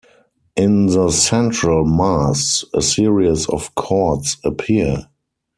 In the central mass, a series of cords appear.